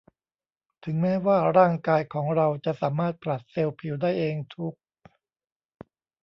ถึงแม้ว่าร่างกายของเราจะสามารถผลัดเซลล์ผิวได้เองทุก